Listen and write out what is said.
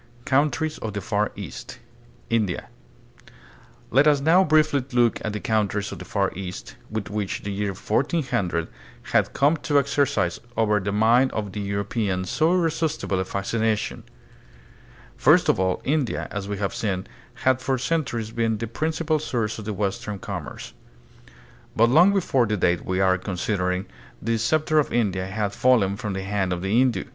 Countries of the Far East. India. Let us now briefly look at the countries of the Far East, which by the year 1400 had come to exercise over the mind of the European so irresistible a fascination. First of all, India, as we have seen, had for centuries been the prin cipal source of the western commerce. But long before the date we are considering, the scepter of India had fallen from the hand of the Hindu.